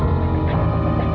aku sudah berhenti